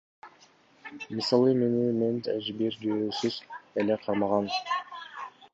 Мисалы, мени мент эч бир жүйөөсүз эле кармаган.